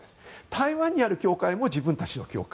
台湾にある教会も自分たちの教会。